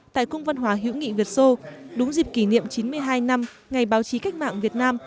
tại cung văn hóa hữu nghị việt sô đúng dịp kỷ niệm chín mươi hai năm ngày báo chí cách mạng việt nam